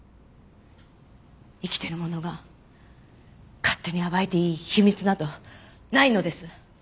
生きている者が勝手に暴いていい秘密などないのです。